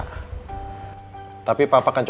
hai tapi papa kan